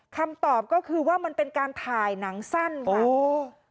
คำตอบก็คือว่ามันเป็นการถ่ายหนังสั้นค่ะโอ้